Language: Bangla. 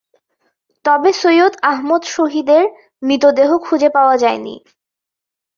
তবে সৈয়দ আহমদ শহীদের মৃতদেহ খুজে পাওয়া যায়নি।